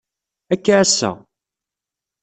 Ad k-ɛasseɣ.